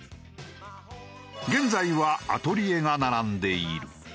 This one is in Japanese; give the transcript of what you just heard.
現在はアトリエが並んでいる。